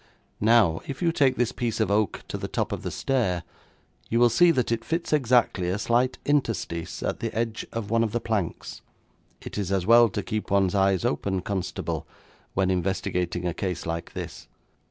'Now, if you take this piece of oak to the top of the stair, you will see that it fits exactly a slight interstice at the edge of one of the planks. It is as well to keep one's eyes open, constable, when investigating a case like this.'